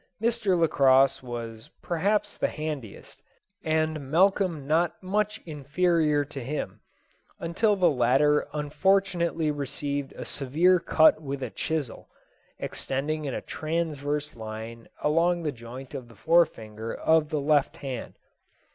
Mr. Lacosse was perhaps the handiest, and Malcolm not much inferior to him, until the latter unfortunately received a severe cut with a chisel, extending in a transverse line along the joint of the forefinger of the left hand.